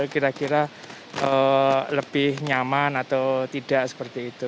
kira kira lebih nyaman atau tidak seperti itu